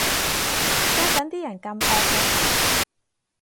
家陣啲人咁惡嘅